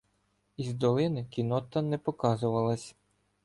Із долини кіннота не показувалася.